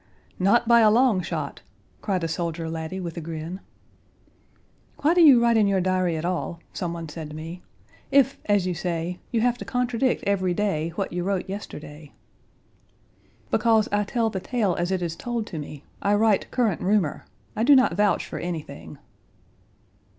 "Not by a long shot," cried a soldier laddie with a grin. "Why do you write in your diary at all," some one said to me, "if, as you say, you have to contradict every day what you wrote yesterday?" "Because I tell the tale as it is told to me. I write current rumor. I do not vouch for anything."